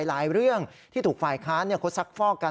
หลายเรื่องที่ถูกฝ่ายค้าเนี่ยศึกษักฟอกกัน